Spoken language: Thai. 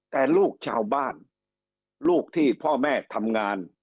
แต่ลูกชาวบ้านลูกที่พ่อแม่ทำงาน